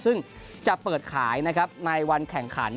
ซึ่งจะเปิดขายในวันแข่งขัน